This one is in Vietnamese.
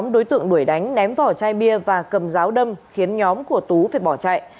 bốn đối tượng đuổi đánh ném vỏ chai bia và cầm giáo đâm khiến nhóm của tú phải bỏ chạy